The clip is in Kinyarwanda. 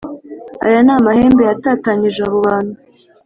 aya ni amahembe yatatanyije abo bantu